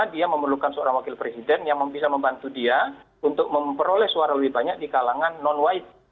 dia memerlukan seorang wakil presiden yang bisa membantu dia untuk memperoleh suara lebih banyak di kalangan non wide